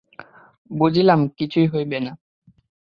বুঝিলাম, কিছু হইবে না।